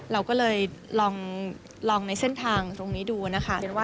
เราก็เลยลองในเส้นทางตรงนี้ดูนะคะ